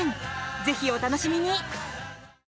ぜひお楽しみに。